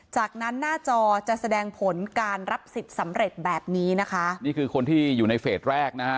จากนั้นหน้าจอจะแสดงผลการรับสิทธิ์สำเร็จแบบนี้นะคะนี่คือคนที่อยู่ในเฟสแรกนะฮะ